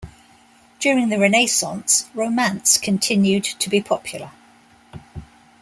During the Renaissance, romance continued to be popular.